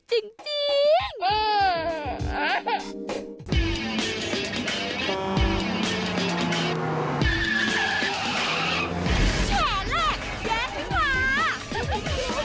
แม่นกรรมของทีมงานซะจริง